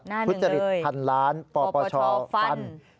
หน้าหนึ่งเลยพุทธจริต๑๐๐๐ล้านปปศฟัน